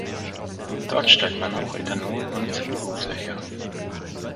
Dort stellt man auch Ethanol und Zellulose her.